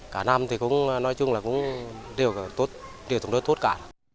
cả năm thì cũng nói chung là cũng đều tốt đều thống đất tốt cả